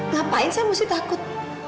ngapain saya mesti takut